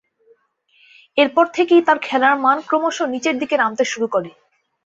এরপর থেকেই তার খেলার মান ক্রমশঃ নিচের দিকে নামতে শুরু করে।